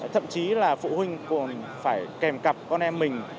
thậm chí là phụ huynh còn phải kèm cặp con em mình